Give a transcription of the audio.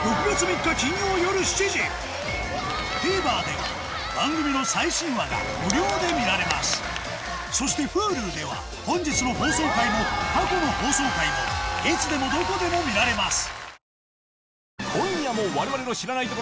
ＴＶｅｒでは番組の最新話が無料で見られますそしてＨｕｌｕでは本日の放送回も過去の放送回もいつでもどこでも見られます